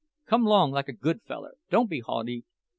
Come 'long like a good feller—don't be haughty!